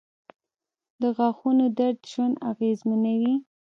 • د غاښونو درد ژوند اغېزمنوي.